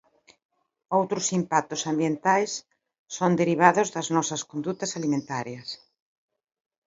Outros impactos ambientais son derivados das nosas condutas alimentarias.